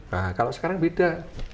nah kalau sekarang beda